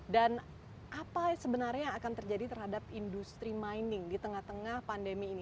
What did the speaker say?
dan apa sebenarnya yang akan terjadi terhadap industri mining di tengah tengah pandemi ini